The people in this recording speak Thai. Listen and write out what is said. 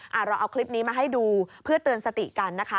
เราเอาคลิปนี้มาให้ดูเพื่อเตือนสติกันนะคะ